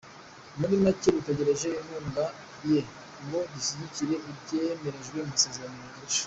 Muri make dutegereje inkunga ye ngo dushyikire ibyemerejwe mu masezerano ya Arusha.